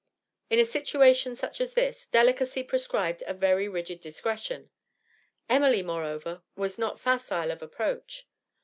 In a situation such as this, delicacy prescribed a very rigid discretion; Emily, moreover, was not facile of approach.